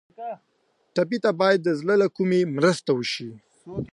ټپي ته باید د زړه له کومي مرسته وشي.